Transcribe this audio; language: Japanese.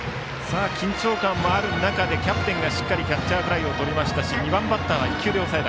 緊張感もある中でキャプテンがしっかりキャッチャーフライをとりましたし２番バッターは１球でしとめた。